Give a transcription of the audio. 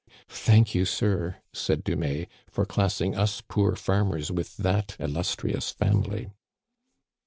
" Thank you, sir," said Dumais, for classing us poor farmers with that illustrious family."